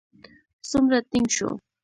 څومره ټينګ شو.